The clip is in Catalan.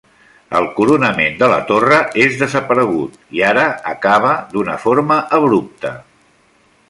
El coronament de la torre és desaparegut, i ara acaba d'una forma abrupta.